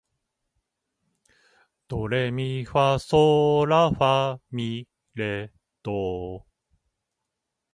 ドレミファソーラファ、ミ、レ、ドー